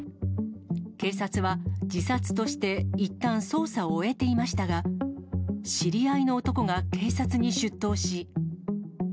警察は自殺としていったん、捜査を終えていましたが、知り合いの男が警察に出頭し。